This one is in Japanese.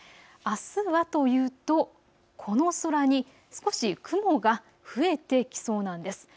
あすはというと、この空に少し雲が増えてきそうなんです。